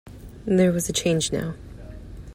There was a change now.